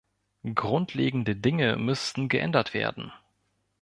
Grundlegende Dinge müssten geändert werden.